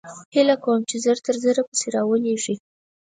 هېله کوم چې زر تر زره پیسې راولېږې